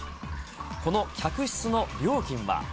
この客室の料金は。